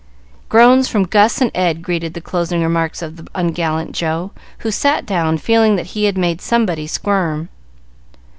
Groans from Gus and Ed greeted the closing remarks of the ungallant Joe, who sat down, feeling that he had made somebody squirm.